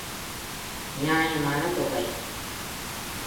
நியாயமான தொகை.